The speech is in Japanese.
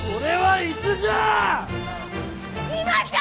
あ今じゃ！